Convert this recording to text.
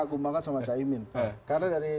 aku bangga sama cahyimin karena dari